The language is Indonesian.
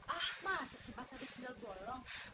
ah masa sih pas ada sunil bolong